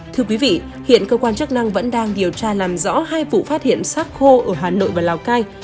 thưa quý vị hiện cơ quan chức năng vẫn đang điều tra làm rõ hai vụ phát hiện sát khô ở hà nội và lào cai